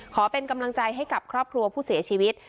ขอเป็นกำลังใจให้กับครอบครัวผู้เสียชีวิต